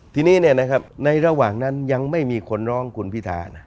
ทีนี้ในระหว่างนั้นยังไม่มีคนร้องคุณพิธานะ